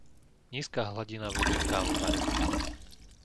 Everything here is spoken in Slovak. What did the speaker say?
Nízka hladina vody v kávovare.